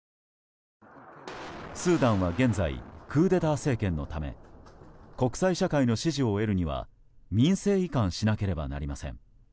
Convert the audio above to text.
スーダンは現在、クーデター政権のため国際社会の支持を得るためには民政移管しなければなりません。